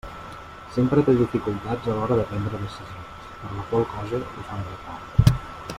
Sempre té dificultats a l'hora de prendre decisions, per la qual cosa ho fa amb retard.